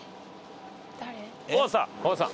誰？